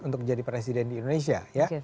untuk menjadi presiden di indonesia ya